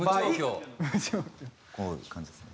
こういう感じですね。